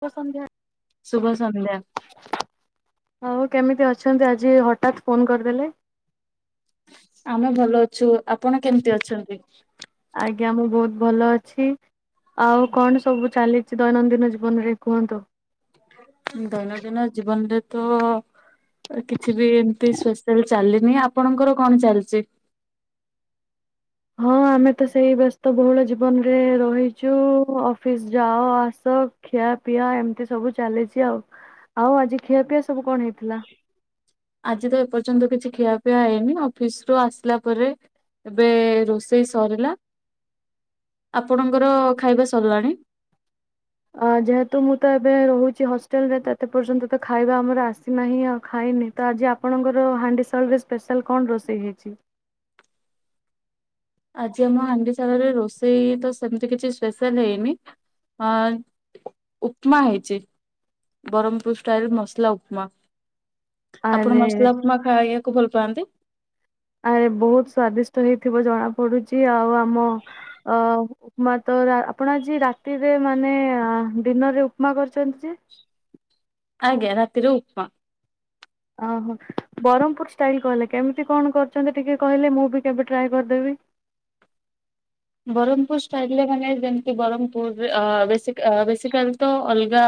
ଶୁଭ ସନ୍ଧ୍ୟା। ଶୁଭ ସନ୍ଧ୍ୟା। ଆଉ କେମିତି ଅଛନ୍ତି ଆଜି ହଠାତ୍ ଫୋନ କରିଦେଲେ? ଆମେ ଭଲ ଅଛୁ। ଆପଣ କେମିତି ଅଛନ୍ତି? ଆଜ୍ଞା ମୁଁ ବହୁତ ଭଲ ଅଛି। ଆଉ କଣ ସବୁ ଚାଲିଛି ଦୈନନ୍ଦିନ ଜୀବନରେ କୁହନ୍ତୁ? ଉଁ ଦୈନନ୍ଦିନ ଜୀବନରେ ତ ଅ କିଛି ବି ଏମିତି ସ୍ପେସାଲ୍ ଚାଲିନି ଆପଣଙ୍କର କଣ ଚାଲିଛି? ହଁ ଆମେ ତ ସେଇ ବ୍ୟସ୍ତ ବହୁଳ ଜୀବନରେ ରହିଛୁ ଅଫିସ ଯାଅ ଆସ। ଖିଆ ପିଆ ଏମିତି ସବୁ ଚାଲିଛି ଆଉ। ଆଉ ଆଜି ଖିଆପିଆ ସବୁ କଣ ହେଇଥିଲା? ଆଜି ତ ଏପର୍ଯ୍ୟନ୍ତ କିଛି ଖିଆପିଆ ହେଇନି ଅଫିସ ରୁ ଆସିଲା ପରେ। ଏବେ ରୋଷେଇ ସରିଲା। ଆପଣଙ୍କର ଖାଇବା ସରିଲାଣି? ଅ ଯେହେତୁ ମୁଁ ତ ଏବେ ରହୁଛି ହଷ୍ଟେଲରେ ତ ଏତେ ପର୍ଯ୍ୟନ୍ତ ତ ଖାଇବା ଆମର ଆସିନାହିଁ ଆଉ ଖାଇନି। ତ ଆଜି ଆପଣଙ୍କର ହାଣ୍ଡିସାଳ ରେ ସ୍ପେଶାଲ କଣ ରୋଷେଇ ହେଇଛି? ଆଜି ଆମ ହାଣ୍ଡିସାଳରେ ରୋଷେଇ ତ ସେମିତି କିଛି ସ୍ପେଶାଲ ହେଇନି। ଅ ଉପମା ହେଇଛି। ବ୍ରହ୍ମପୁର ଷ୍ଟାଇଲ ମସଲା ଉପମା। ଆପଣ ଆରେ ମସଲା ଉପମା ଖାଇବାକୁ ଭଲ ପାଆନ୍ତି? ଆରେ ବହୁତ ସ୍ଵାଦିଷ୍ଟ ହେଇଥିବ ଜଣା ପଡୁଛି ଆଉ ଆମ ଅ ଉପମା ତ ଆ-ଆପଣ ଆଜି ରାତିରେ ମାନେ ଆ ଡିନରରେ ଉପମା କରିଛନ୍ତି ଯେ? ଆଜ୍ଞା ରାତିରେ ଉପମା। ଓହୋ ବ୍ରହ୍ମପୁର ଷ୍ଟାଇଲ କହିଲେ କେମିତି କଣ କରୁଛନ୍ତି? ଟିକେ କହିଲେ ମୁଁ ବି କେବେ ଟ୍ରାଏ କରିଦେବି। ବ୍ରହ୍ମପୁର ଷ୍ଟାଇଲରେ ମାନେ ଯେମିତି ବ୍ରହ୍ମପୁର ଅ ବେଶିକ ଅ ବେଶିକାଲି ତ ଅଲଗା।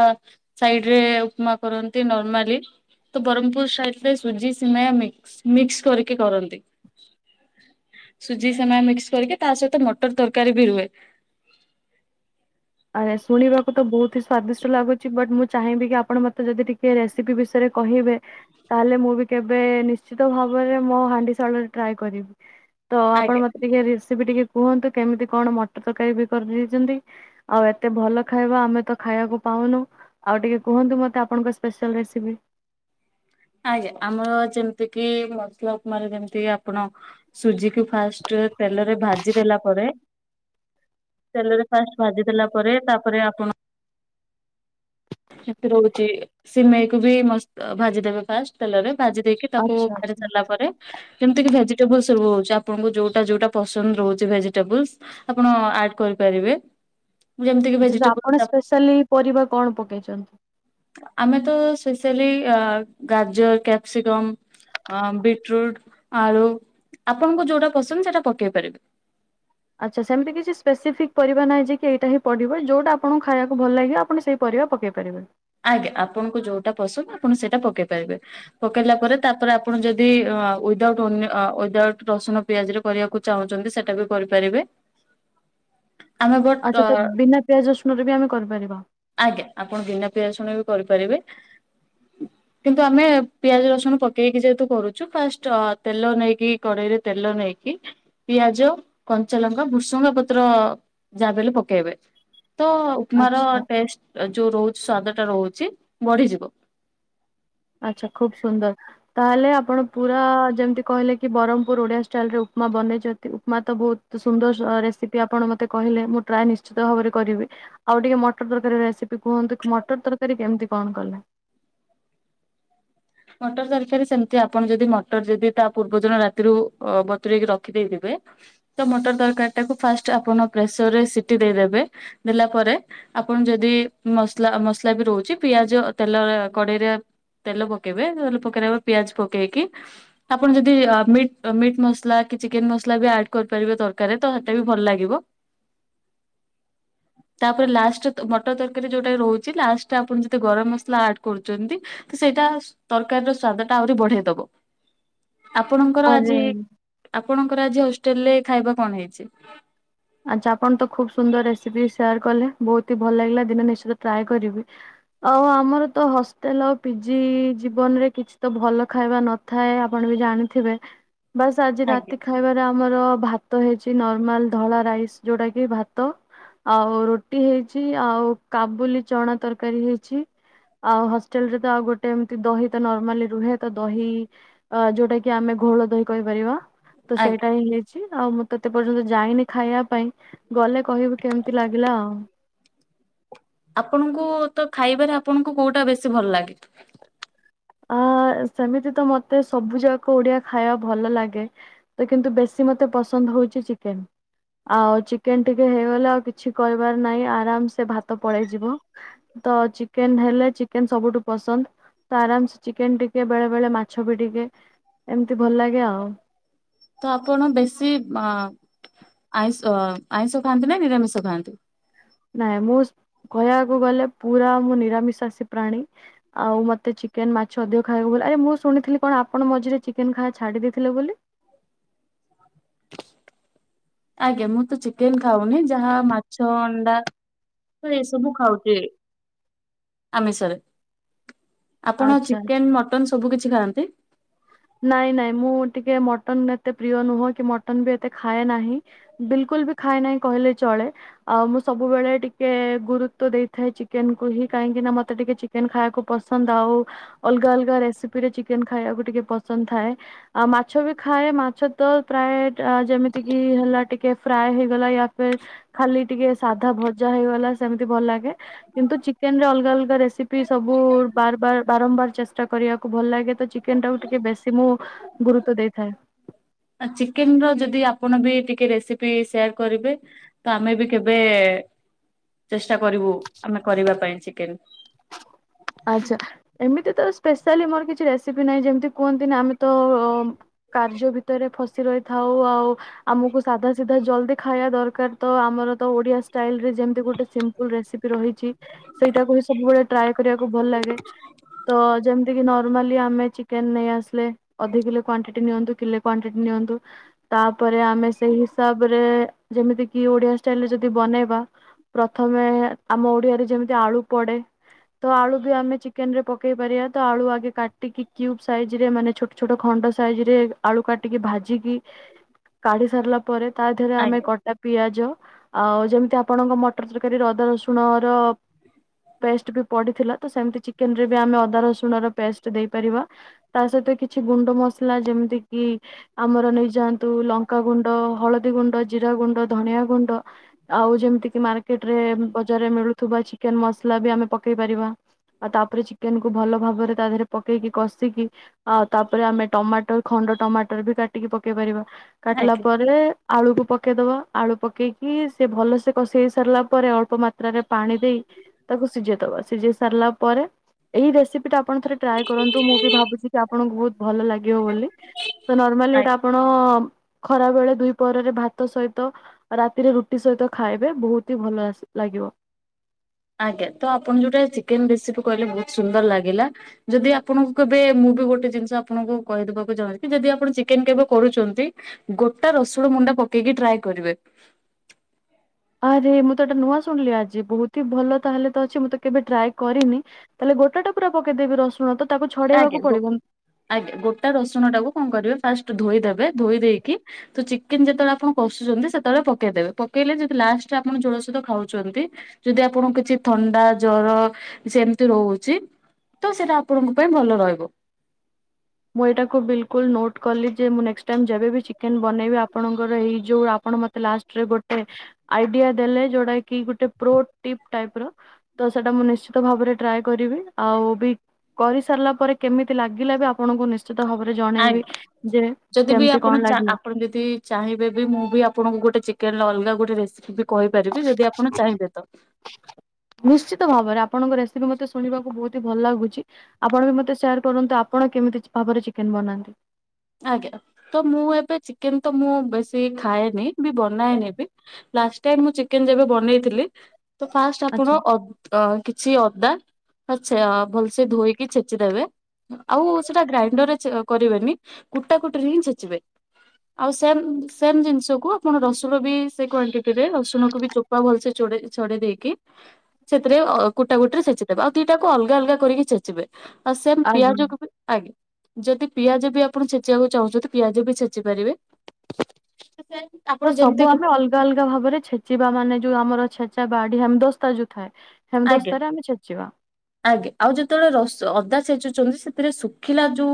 ସାଇଡ ରେ ଉପମା କରନ୍ତି ନର୍ମାଲି। ତ ବ୍ରହ୍ମପୁର ସାଇଡରେ ସୁଜି ସିମେୟା ମିକ୍ସ ମିକ୍ସ କରିକି କରନ୍ତି। ସୁଜି ସିମେୟା ମିକ୍ସ କରିକି ତା ସହିତ ମଟର ତରକାରୀ ବି ରୁହେ। ଆ ଏ ଶୁଣିବାକୁ ତ ବହୁତ ହି ସ୍ଵାଦିଷ୍ଟ ଲାଗୁଛି ବଟ୍ ମୁଁ ଚାହିଁବି କି ଆପଣ ମତେ ଯଦି ଟିକେ ରେସିପି ବିଷୟରେ। କହିବେ। ତାହେଲେ ମୁଁ ବି କେବେ ନିଶ୍ଚିତ ଭାବରେ ମୋ ହାଣ୍ଡିସାଳରେ ଟ୍ରାଏ କରିବି। ତ ଆପଣ ଆଜ୍ଞା ମତେ ଟିକେ ରେସିପି ଟିକେ କୁହନ୍ତୁ କେମିତି କଣ ମଟର ତରକାରୀ ବି କରିଦେଇଛନ୍ତି? ଆଉ ଏତେ ଭଲ ଖାଇବା ଆମେ ତ ଖାଇବାକୁ ପାଉନୁ। ଆଉ ଟିକେ କୁହନ୍ତୁ ମତେ ଆପଣଙ୍କ ସ୍ପେଶାଲ ରେସିପି? ଆଜ୍ଞା ଆମର ଯେମିତି କିି ମସଲା ଉପମାର ଯେମିତି ଆପଣ। ସୁଜିକୁ ଫାର୍ଷ୍ଟ ତେଲରେ ଭାଜି ଦେଲା ପରେ। ତେଲରେ ଫାର୍ଷ୍ଟ ଭାଜି ଦେଲା ପରେ ତାପରେ ଆପଣ। [unintelligible] ରହୁଛି ସିମେଇକୁୁ ବି ମସ୍ତ ଅ ଭାଜିଦେବେ। ଫାର୍ଷ୍ଟ ତେଲରେ ଭାଜି ଦେଇକି ତାକୁ ଆଚ୍ଛା କାଢ଼ି ଆଚ୍ଛା ସାରିଲା ପରେ। କେମିତି କି ଭେଜିଟେବୁଲସ ର-ର-ରହୁଛି ଆପଣଙ୍କୁ ଯୋଉଟା ଯୋଉଟା ପସନ୍ଦ ରହୁଛି ଭେଜିଟେବୁଲସ। ଆପଣ ଆଡ କରିପାରିବେ। ଯେମିତି କି ଆଚ୍ଛା ତ ଭେଜିଟେବୁଲ ଆପଣ ସ୍ପେଶାଲି ପରିବା କଣ ପକେଇଛନ୍ତି? ଆମେ ତ ସ୍ପେଶାଲି ଆ ଗାଜର, କ୍ୟାପସିକମ୍। ଅଁ ବିଟ୍ ରୁଟ୍, ଆଳୁ, ଆପଣଙ୍କୁ ଯୋଉଟା ପସନ୍ଦ ସେଇଟା ପକେଇ ପାରିବେ। ଆଚ୍ଛା ସେମିତି କିଛି ସ୍ପେସିଫିକ୍ ପରିବା ନାହିଁ କି ଯେ ଏଇଟା ହିଁ ପଡିବ ଯୋଉଟା ଆପଣଙ୍କୁ ଖାଇବାକୁ ଭଲ ଲାଗିବ। ଆପଣ ସେଇ ପରିବା ପକେଇ ପାରିବେ। ଆଜ୍ଞା ଆପଣଙ୍କୁ ଯୋଉଟା ପସନ୍ଦ ଆପଣ ସେଇଟା ପକେଇ ପାରିବେ। ପକେଇଲା ପରେ ତାପରେ ଆପଣ ଯଦି ଉଇଦାଉଟ ଓନିଅନ ଉଇଦାଉଟ୍ ରସୁଣ ପିଆଜରେ କରିବାକୁ ଚାହୁଁଛନ୍ତି ସେଟା ବି କରିପାରିବେ। [inaudible] ଆମେ ବଟ୍ ଆଚ୍ଛା ତ ବିନା ପିଆଜ ରସୁଣରେ ବି ଆମେ କରିପାରିବା। ଆଜ୍ଞା ଆପଣ ବିନା ପିଆଜ ରସୁଣ ରେ ବି କରିପାରିବେ। [inaudible] କିନ୍ତୁ ଆମେ ପିଆଜ ରସୁଣ ପକେଇକି ଯେହେତୁ କରୁଛୁ ଫାଷ୍ଟ ତେଲ ନେଇକି କଡ଼େଇରେ ତେଲ ନେଇକି ପିଆଜ, କଞ୍ଚାଲଙ୍କା, ଭୃସୁଙ୍ଗା ପତ୍ର, ଯାହା ବି ହେଲେ ପକେଇବେ। ତ ଉପମାର ଆଚ୍ଛା ଟେଷ୍ଟ ଯୋଉ ରହୁଛି ସ୍ଵାଦ ଟା ରହୁଛି ବଢିଯିବ। ଆଚଛା ଖୁବ ସୁନ୍ଦର। ତାହେଲେ ଆପଣ ପୁରା ଯେମିତି କହିଲେ କି ବ୍ରହ୍ମପୁର ଓଡିଆ ଷ୍ଟାଇଲ ରେ ଉପମା ବନେଇଛନ୍ତି ଉପମା ତ ବହୁତ ସୁନ୍ଦର ରେସିପି ଆପଣ ମୋତେ କହିଲ ମୁଁ ଟ୍ରାଏ ନିଶ୍ଚିତ ଭାବରେ କରିବି। ଆଉ ଟିକେ ମଟର ତରକାରୀ ରେସିପି କୁହନ୍ତୁ କି ମଟର ତରକାରୀ କେମିତି କଣ କଲା? ମଟର ତରକାରୀ ସେମିତି ଆପଣ ଯଦି ମଟର ଯଦି ତା ପୂର୍ବ ଦିନ ରାତିରୁ ବତୁରେଇକି ରଖିଦେଇଥିବେ। ତ ମଟର ତରକାରୀଟାକୁ ଫାଷ୍ଟ ଆପଣ ପ୍ରେସରରେ ସିଟି ଦେଇଦବେ ଦେଲା ପରେ। ଆପଣ ଯଦି ମସଲା ମସଲା ବି ରହୁଛି ପିଆଜ ତେଲ କଡେଇରେ ତେଲ ପକେଇବେ ତାହେଲେ ପକେଇବା ପିଆଜ ପକେଇକି ଆପଣ ଯଦି ଅ ମିଟ-ମିଟ୍ ମସଲା କି ଚିକେନ ମସଲା ବି ଆଡ୍ କରିପାରିବେ ତରକାରୀରେ ତ ସେଟାବି ଭଲ ଲାଗିବ। [inaudible] ତାପରେ ଲାଷ୍ଟ ମଟର ତରକାରୀ ଯୋଉଟା ରହୁଛି ଲାଷ୍ଟ ଆପଣ ଯଦି ଗରମ ମସଲା ଆଡ୍ କରୁଛନ୍ତି। ତ ସେଇଟା ତରକାରୀରର ସ୍ଵାଦ ଟା ଆହୁରି ବଢେଇ ଦବ ଆପଣଙ୍କର ଆରେ ଆଜି ଆପଣଙ୍କର ଆଜି ହଷ୍ଟେଲ ରେ ଖାଇବା କଣ ହେଇଛି? ଆଚ୍ଛା ଆପଣ ତ ଖୁବ୍ ସୁନ୍ଦର ରେସିପି ସେୟାର କଲେ ବହୁତ ହି ଭଲ ଲାଗିଲା ଦିନେ ନିଶ୍ଚିତ ଟ୍ରାଏ କରିବି। ଆଉ ଆମର ତ ହଷ୍ଟେଲ ଆଉ ପିଜି ଜୀବନରେ କିଛି ତ ଭଲ ଖାଇବା ନ ଥାଏ ଆପଣ ବି ଜାଣିଥିବେ। ବାସ୍ ଆଜି ଆଜ୍ଞା। ରାତି ଖାଇବାରେ ଆମର ଭାତ ହେଇଛି ନର୍ମାଲ। ଧଳା ରାଇସ୍ ଯୋଉଟା କି ଭାତ ଆଉ ରୁଟି ହେଇଛି ଆଉ କାବୁଲି ଚଣା ତରକାରୀ ହେଇଛି। ଆଉ ହଷ୍ଟେଲ ରେ ତ ଆଉ ଗୋଟେ ଏମତି ଦହି ତ ନର୍ମାଲି ରୁହେ ତ ଦହି ଅ ଯୋଉଟା କି ଆମେ ଘୋଳ ଦହି କହିପାରିବା ତ ଆଜ୍ଞା ସେଇଟା ହିଁ ହେଇଛି ଆଉ ମୁଁ ଏତେ ପର୍ଯ୍ୟନ୍ତ ଯାଇନି। ଖାଇବା ପାଇଁ ଗଲେ କହିବୁ କେମତି ଲାଗିଲା ଆଉ। ଆପଣଙ୍କୁ ତ ଖାଇବାରେ ଆପଣଙ୍କୁ କୋଉଟା ବେଶୀ ଭଲ ଲାଗେ? ଅ ସେମିତି ତ ମୋତେ ସବୁ ଯାକ ଓଡିଆ ଖାଇବା ଭଲ ଲାଗେ। ତ କିନ୍ତୁ ବେଶୀ ମତେ ପସନ୍ଦ ହଉଛି ଚିକେନ। ଆଉ ଚିକେନ ଟିକେ ହେଇଗଲେ ଆଉ କିଛି କରିବାର ନାହିଁ ଆରାମ ସେ ଭାତ ପଳେଇ ଯିବ। ତ ଚିକେନ ହେଲେ ଚିକେନ ସବୁଠୁ ପସନ୍ଦ ତ ଆରାମ ଚିକେନ ଟିକେ ବେଳେ ବେଳେ ମାଛ ବି ଟିକେ ଏମିତି ଭଲ ଲାଗେ ଆଉ। ତ ଆପଣ ବେଶି ଅ ଆଇଁଷ ଆଇଁଷ ଖାଆନ୍ତି ନା ନିରାମିଷ ଖାଆନ୍ତି? ନାଇଁ ମୁଁ କହିବାକୁ ଗଲେ ପୁରା ମୁଁ ନିରାମିଶାସୀ ପ୍ରାଣୀ। ଆଉ ମୋତେ ଚିକେନ ମାଛ ଅଧିକ ଖାଇବାକୁ ବୋଲି ଆରେ ମୁଁ ଶୁଣିଥିଲି କଣ ଆପଣ ମଝିରେ ଚିକେନ ଖାଇବା ଛାଡି ଦେଇଥିଲେ ବୋଲି? [inaudible] ଆଜ୍ଞା ମୁଁ ତ ଚିକେନ ଖାଉନି ଯାହା ମାଛ, ଅଣ୍ଡା ତ ଏସବୁ ଖାଉଛି ଆମିଷରେ। ଆପଣ ଆଚ୍ଛା। ଚିକେନ, ମଟନ ସବୁ କିଛି ଖାଆନ୍ତି? ନାଇଁ ନାଇଁ ମୁଁ ଟିକେ ମଟନ ଏତେ ପ୍ରିୟ ନୁହେଁ କି ମଟନ ବି ଏତେ ଖାଏ ନାହିଁ। ବିଲକୁଲ ବି ଖାଏ ନାହିଁ କହିଲେ ଚଳେ। ଆଉ ମୁଁ ସବୁବେଳେ ଟିକେ ଗୁରୁତ୍ଵ ଦେଇଥାଏ ଚିକେନ କୁ ହିଁ କାହିଁକି ନା ମତେ ଟିକେ ଚି କେନ ଖାଇବାକୁ ପସନ୍ଦ ଆଉ ଅଲଗା ଅଲଗା ରେସିପି ରେ ଚିକେନ ଖାଇବାକୁ ଟିକେ ପସ ସନ୍ଦ ଥାଏ ଆ ମାଛ ବି ଖାଏ ମାଛ ତ ଫ୍ରାଏ ଯେମିତି କିି ହେଲା ଟିକେ ଫ୍ରାଏ ହେଇଗଲା ୟା ଫ ଖାଲି ଟିକେ ସାଧା ଭଜା ହେଇଗଲା ସେମତି ଭଲ ଲାଗେ। କିନ୍ତୁ ଚିକେନ ରେ ଅଲଗା ଅଲଗା ରେସିପି ସବୁ ବାରବାର ବାରମ୍ବାର ଚେଷ୍ଟା କରିବାକୁ ଭଲ ଲାଗେ। ତ ଚିକେନ ଟାକୁ ଟିକେ ବେଶୀ ମୁଁ ଗୁରୁତ୍ଵ ଦେଇଥାଏ। ଚିକେନ ର ଯଦି ଆପଣ ବି ଟିକେ ରେସିପି ସେୟାର କରିବେ। ତ ଆମେ ବି କେବେ ଚେଷ୍ଟା କରିବୁ ଆମେ କରିବା ପାଇଁ ଚିକେନ। ଆଚ୍ଛା ଏମିତି ତ ସ୍ପେଶାଲି ମୋର କିଛି ରେସିପି ନାହିଁ ଯେମିତି କୁହନ୍ତି ନା ଆମେ ତ କାର୍ଯ୍ୟ ଭିତରେ ଫସି ରହିଥାଉ ଆଉ ଆମକୁ ସାଧା ସିଧା ଜଲଦି ଖାଇବା ଦରକାର ତ ଆମର ତ ଓଡିଆ ଷ୍ଟାଇଲ ରେ ଯେମତି ଗୋଟେ ସିମ୍ପ ଲ ରେସିପି ରହିଛି ସେଇଟାକୁ ହିଁ ସବୁବେଳେ ଟ୍ରାଏ କରିବାକୁ ଭଲ ଲାଗେ। ତ ଯେମିତି କିି ନର୍ମାଲି ଆମେ ଚିକେନ ନେଇ ଆସିଲେ। ଅଧି କିଲୋ କ୍ୱାଣ୍ଟିଟି ନିଅନ୍ତୁ କିଲେ କ୍ୱାଣ୍ଟିଟି ନିଅନ୍ତୁ। ତା ପରେ ଆମେ ସେଇ ହିସାବରେ ଯେମିତି କିି ଓଡିଆ ଷ୍ଟାଇଲରେ ଯଦି ବନେଇବା ପ୍ରଥମେ ଆମ ଓଡିଆରେ ଯେମିତି ଆଳୁ ପଡେ। ତ ଆଳୁ ବି ଆମେ ଚିକେନ ରେ ପକେଇ ପାରିବା ତ ଆଳୁ ଆଗେ କାଟିକି କ୍ୟୁବ ସାଇଜ ରେ ମାନେ ଛୋ ଛୋଟ ଖଣ୍ଡ ସାଇଜ ରେ ଆଳୁ କାଟିକି ଭାଜିକି କାଢି ସାରିଲା ପରେ ତା ଦେହରେ ଆମେ ଆଜ୍ଞା। କଟା ପିଆଜ ଆଉ ଯେମିତି ଆପଣଙ୍କ ମଟର ତରକାରୀ ଅଦା ରସୁଣ ର ପେଷ୍ଟ ବି ପଡିଥିଲା ତ ସେମତି ଚିକେନ ରେ ବି ଆମେ ଅଦା ରସୁଣ ର ପେଷ୍ଟ ଦେଇପାରିବା। ତା ସହିତ କିଛି ଗୁଣ୍ଡ ମସଲା ଯେମିତି କି ଆମର ନେଇଯାଆନ୍ତୁ ଲଙ୍କା ଗୁଣ୍ଡ ହଳଦୀ ଗୁଣ୍ଡ ଜିରା ଗୁଣ୍ଡ, ଧନିଆ ଗୁଣ୍ଡ ଆଉ ଯେମତି କି ମାର୍କେଟରେ ବଜାରରେ ମିଳୁଥିବା ଚିକେନ୍ ମସଲା ବି ଆମେ ପକେଇ ପାରିବା। ଆଉ ତାପରେ ଚିକେନ୍ କୁୁ ଭଲ ଭାବରେ ତା ଦେହରେ ପକେଇକି କଷିକି ଆଉ ତାପରେ ଆମେ ଟମାଟର ଖଣ୍ଡ ଟମାଟର ବି କାଟିକି ପକେଇ ପାରିବା କାଟିଲା ଆଜ୍ଞା ଆଜ୍ଞା। ପରେ ଆଳୁକୁ ପକେଇଦବା ଆଳୁ ପକେଇକି ସେ ଭଲ ସେ କସି ହେଇସାରିଲା ପରେ ଅଳ୍ପ ମା ତ୍ରା ରେ ପାଣି ଦେଇ ତାକୁ ସିଝେଇ ଦବା ସିଝେଇ ସାରିଲା ପରେ ଏହି ରେସିପି ଟା ଆପଣ ଥରେ ଟ୍ରାଏ କରନ୍ତୁ ମୁଁ ବି ଭାବୁଛି କି ଆପଣଙ୍କୁ ବହୁତ ଭଲ ଲାଗିବ ବୋଲି। ତ ନର୍ମାଲି ଏଇଟା ଆପଣ ଖରା ବେଳେ ଦୁଇ ପହର ରେ ଭାତ ସହିତ ରାତିରେ ରୁଟି ସହିତ ଖାଇବେ ବହୁତ୍ ହି ଭଲ ଆସି ଲାଗିବ। ଆଜ୍ଞା ତ ଆପଣ ଯୋଉଟା ଚିକେନ ରେସିପି କହିଲେ ବହୁତ ସୁନ୍ଦର ଲାଗିଲା। ଯଦି ଆପଣଙ୍କୁ କେବେ ମୁଁ ବି ଗୋଟେ ଜିନିଷ ଆପଣଙ୍କୁ କହିଦବାକୁ ଚାହୁଁଛି ଯଦି ଆପଣ ଚିକେନ କେବେ କରୁଚନ୍ତି ଗୋଟା ରସୁଣ ମୁଣ୍ଡା ପକେଇକି ଟ୍ରାଏ କରିବେ। ଆରେ ମୁଁ ତ ଏଟା ନୂଆ ଶୁଣିଲି ଆଜି ବହୁତ ହି ଭଲ ତାହେଲେ ତ ଅଛି ମୁଁ ତ କେବେ ଟ୍ରାଏ କରିନି। ତା ହେଲେ ଗୋଟା ଟା ପୁରା ପକେଇଦେବି ରସୁଣ ତ ତାକୁ ଆଜ୍ଞା ଛଡେଇବାକୁ ଗୋ ପଡିବନି। ଆଜ୍ଞା ଗୋଟା ରସୁଣ ଟାକୁ କଣ କରିବେ ଫାଷ୍ଟ ଧୋଇଦବେ ଧୋଇ ଦେଇକି ତ ଚିକେନ ଯେତେବେଳେ ଆପଣ କଷୁଛନ୍ତି ସେତେବେଳେ ପକେଇଦେବେ, ପକେଇଲେ ଯଦି ଲାଷ୍ଟରେ ଆପଣ ଝୋଳ ସହିତ ଖାଉଛନ୍ତି ଯଦି ଆପଣଙ୍କୁ କିଛି ଥଣ୍ଡା ଜର ସେମିତି ରହୁଛି ତ ସେଇଟା ଆପଣଙ୍କୁ ପାଇଁ ଭଲ ରହିବ। ମୁଁ ଏଇଟାକୁ ବିଲ୍ କୁଲ ନୋଟ୍ କଲି ଯେ ମୁଁ ନେକ୍ସଟ ଟାଇମ୍ ଯେବେ ବି ଚିକେନ୍ ବନେଇବି ଆପଣଙ୍କର ଏଇ ଯୋଉ ଆପଣ ମତେ ଲାଷ୍ଟ ଗୋଟେ ଆଇଡିଆ ଦେଲେ ଯୋଉଟା କି ଗୋଟେ ପ୍ପ୍ରୋ ଟିପ ଟାଇପ୍ ର ତ ସେଟା ମୁଁ ନିଶ୍ଚିତ ଭାବରେ ଟ୍ରାଏ କରିବି ଆଉ ବି କରିସାରିଲା ପରେ କେମିତି ଲାଗିଲା ବି ଆପଣଙ୍କୁ ନିଶଚ ନିଶ୍ଚିତ ଭାବରେ ଆଜ୍ଞା। ଜଣେଇବି ଯେ ଯଦି ବି କେମିତି ଆପଣ କଣ ଚା ଲାଗିଲା। ଆପଣ ଯଦି ଚାହିଁବେ ବି ମୁଁ ବି ଆପଣଙ୍କୁ ଗୋଟେ ଚିକେନ ଅଲଗା ଗୋଟେ ରେସିପି ବି କହିପାରିବି, ଯଦି ଆପଣ ଚାହିଁବେ ତ। ନିଶ୍ଚିତ ଭାବରେ ଆପଣଙ୍କ ରେସିପି ମତେ ଶୁଣିବାକୁ ବହୁତ ହି ଭଲ ଲାଗୁଛି। ଆପଣ ବି ମତେ ସେୟାର କରନ୍ତୁ, ଆପଣ କେମିତି ଭାବରେ ଚିକେନ୍ ବନାନ୍ତି। ଆଜ୍ଞା, ତ ମୁଁ ଏବେ ଚିକେନ ତ ମୁଁ ବେଶୀ ଖାଏନି ବି ବନାଏ ନି ବି ଲାଷ୍ଟ୍ ଟାଇ ମୁଁ ଚିକେନ ଯେବେ ବନେଇଥିଲି, ତ ଫାଷ୍ଟ୍ ଆଚ୍ଛା ଆପଣ ଅ କିଛି ଅଦା ଆଛା ଭଲସେ ଧୋଇକି ଛେଚିଦେବେ, ଆଉ ସେଟା ଗ୍ରାଇଣ୍ଡର ରେ କରିବେନି କୁଟା, କୁଟି ରେ ଛେଚିବେ। ଆଉ ସେମ୍ ସେମ୍ ଜିନିଷକୁ ଆପଣ ରସୁଣ ବି ସେଇ କ୍ଵାଣ୍ଟିଟିରେ ରସୁଣକୁ ବି ଚୋପ୍ ଭଲସେ ଚୁଡ ଛଡେଇ ଦେଇକି ସେଥିରେ କୁଟା କୁଟି ରେ ଛେଚି ଦେବେ, ଆଉ ଦି ଟାକୁ ଅଲଗା ଅଲଗା କରିକି ଛେଚିବେ। ଆଉ ସେମ୍ ଆଜ୍ଞା ପିଆଜ କୁ ବି ଆଞା ଯଦି ପିଆଜ କୁ ବି ଆପଣ ଛେଚିବାକୁ ଚାହୁଁଛନ୍ତି ପିଆଜ ବି ଛଚି ପାରିବେ। ଆପଣ ତ ଯେମିତି ସବୁ ଆମେ ଅଲଗା ଅଲଗା ଭାବରେ ଛେଚିବା ମାନେ ଯୋଉ ଆମର ଛେଚା ବାଡି ହେମ ଦସ୍ତା ଯୋଉ ଥାଏ ହେମ୍ ଦସ୍ତାରେ ଆମେ ଛେଚିବା। ଆଗ୍ ଆଉ ଯେତେବେଳେ ରସ୍ ଅଦା ଛେଚୁଛନ୍ତି, ସେଥିରେ ଶୁଖିଲା ଯୋଉ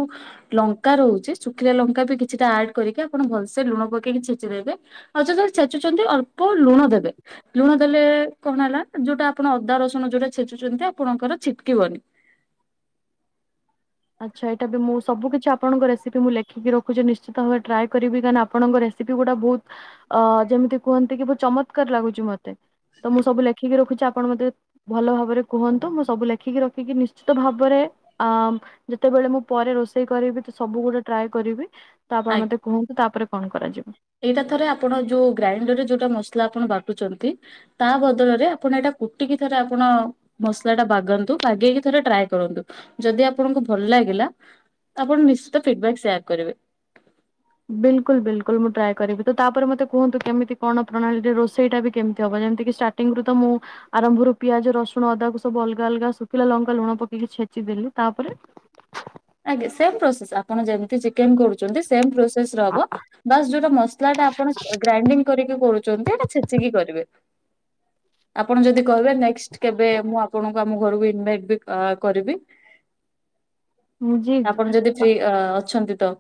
ଲଙ୍କା ରହୁଛି ଶୁଖିଲା ଲଙ୍କା ବି କିଛିଟା ଆଡ କରିକି ଆପଣ ଭଲସେ ଲୁଣ ପକେଇକି ଛେଚିଦବେ। ଆଉ ଯେତେବେଳେ ଛେଚୁଛନ୍ତି, ଅଳ୍ପ ଲୁଣ ଦେବେ ଲୁଣ ଦେଲେ କଣ ହେଲା ଯୋଉଟା ଆପଣ ଅଦା ରସୁଣ ଯୋଉଟା ଛେଚୁଛନ୍ତି, ଆପଣଙ୍କର ଛିଟକିବନି। ଆଚ୍ଛା ଏଇଟା ବି ମୁଁ ସବୁ କିଛି ଆପଣଙ୍କ ରେସିପି ମୁଁ ଲେଖିକି ରଖୁଛି, ନିଶ୍ଚିତ ଭାବେ ଟ୍ରାଏ କରିବି କାହିଁକ ନା ଆପଣଙ୍କ ପି ଗୁଡା ବହୁତ ଅ ଯେମିତି କୁହନ୍ତି କି, ବହୁତ ଚମତ୍କାର ଲାଗୁଛି ମତେ। ତ ମୁଁ ସବୁ ଲେଖିକି ରଖୁଛି, ଆପଣ ମତେ ଭଲ ଭାବରେ କୁହନ୍ତୁ, ମୁଁ ସବୁ ଲେଖିକି ରଖିକି ନିଶ୍ଚିତ ଭାବରେ ଅ ଯେତେବେଳେ ମୁଁ ପରେ ରୋଷେଇ କରିବି, ତ ସବୁ ଗୁଡା ଟ୍ରାଏ କରିବି, ତ ଆଜ୍ଞା। ଆପଣ ମତେ କୁହନ୍ତୁ, ତାପରେ କଣ କରାଯିବ? ଏଇଟା ଥରେ ଆପଣ ଯୋଉ ଗ୍ରାଇଣ୍ଡର ରେ ଯୋଉଟା ମସଲା ଆପଣ ବାଟୁଛନ୍ତି ତା ବଦଳରେ, ଆପଣ ଏଇଟା କୁଟିକି ଥରେ ଆପଣ ମସଲା ଟା ବାଗନ୍ତୁ ବାଗେଇକି ଥରେ ଟ୍ରାଏ କରନ୍ତୁ, ଯଦି ଆପଣଙ୍କୁ ଭଲ ଲାଗିଲା ଆପଣ ନିଶ୍ଚିତ ଫିଡବାକ୍ ସେୟାର କରିବେ। ବିଲକୁଲ ବିଲକୁଲ ମୁଁ ଟ୍ରାଏ କରିବି, ତ ତାପରେ ମତେ କୁହନ୍ତୁ, କେମିତି କଣ ପ୍ରଣାଳୀରେ ରୋଷେଇଟା ବି କେମିତି ହବ। ଯେମିତି ତ ମୁଁ ଆରମ୍ଭରୁ ପିଆଜ, ରସୁଣ, ଅଦାକୁ ସବୁ ଅଲଗା ଅଲଗା ଶୁଖିଲା, ଲଙ୍କା, ଲୁଣ ପକେଇକି ଛେଚି ଦେଲି, ତାପରେ ଆଜ୍ଞା ସେମ ପ୍ରୋସେସ ଆପଣ ଯେମତି ଚିକେନ କରୁଛନ୍ତି, ସେମ ପ୍ରୋସେସ ରେ ହବ। ବାସ୍ ଯୋଉଟା ମସଲା ଟା ଆପଣ ଗ୍ରାଇଣ୍ଡି କରିକି କରୁଛନ୍ତି, ଛେଚିକି କରିବେ ଆପଣ ଯଦି କହିବେ, ନେଷ୍ଟ କେବେ ମୁଁ ଆପଣଙ୍କୁ ଆମ ଘରକୁ ଇନଭାଇଟ ବି କରିବି। ଜି ଆପଣ ଯଦି ଫ୍ରି ଅଛନ୍ତି ତ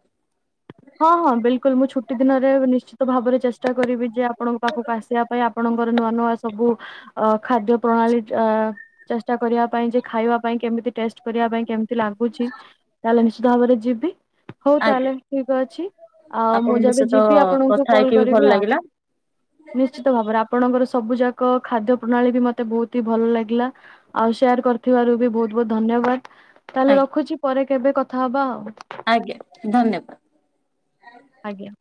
ହଁ ହଁ ବିଲକୁଲ। ମୁଁ ଛୁଟି ଦିନରେ ନିଶ୍ଚିତ ଭାବରେ ଚେଷ୍ଟା କରିବି ଯେ, ଆପଣଙ୍କ ପାଖକୁ ଆସିବା ପାଇଁ ଆପଣଙ୍କର ନୂଆ ନୂଆ ସବୁ ଅ ଖାଦ୍ୟ ପ୍ରଣାଳୀ ଅ ଚେଷ୍ଟା କରିବା ପାଇଁ ଯେ, ଖାଇବା ପାଇଁ କେମିତି ଟେଷ୍ଟ କରିବା ପାଇଁ କେମ ଲାଗୁଛି ତାହେଲେ ନିଶ୍ଚିତ ଭାବରେ ଯିବି। ହଉ ତାହେଲେ ଆଜ୍ଞା ଠିକ ଅଛି ଆଉ ମୁଁ ଆପଣଙ୍କ ଯେବେ ସହିତ ଯିବି ଆପଣଙ୍କୁ କଥା କଲ ହେଇକି ବି ଭଲ କରିବି ଆଉ। ଲାଗିଲା। ନିଶ୍ଚିତ ଭାବରେ ଆପଣଙ୍କର ସବୁ ଯାକ ଖାଦ୍ୟ ପ୍ରଣାଳୀ ବି ମତେ ବହୁତ ହି ଭଲ ଲାଗିଲା। ଆଉ ସେୟାର କରିଥିବାରୁ ବି ବହୁତ ବହୁତ ଧନ୍ୟବାଦ। ତାହେଲେ ଆଜ୍ଞା ରଖୁଛି, ପରେ କେବେ କଥା ହବା ଆଉ। ଆଜ୍ଞା ଧନ୍ୟବାଦ। ଆଜ୍ଞା।